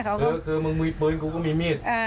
เธอมึงมีปืนกูก็มีมีด